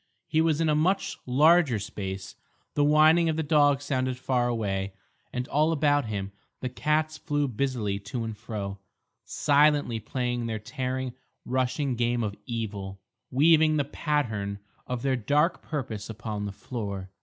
He was in a much larger space. The whining of the dog sounded far away, and all about him the cats flew busily to and fro, silently playing their tearing, rushing game of evil, weaving the pattern of their dark purpose upon the floor.